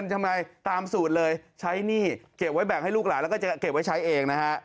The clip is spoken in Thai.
ทำไมตามสูตรเลยใช้หนี้เก็บไว้แบ่งให้ลูกหลานแล้วก็จะเก็บไว้ใช้เองนะฮะ